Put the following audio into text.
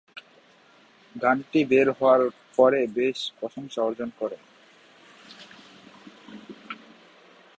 গানটি বের হওয়ার পরে বেশ প্রশংসা অর্জন করে।